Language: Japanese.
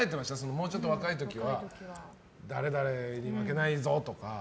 もうちょっと若い時は誰々に負けないぞとか。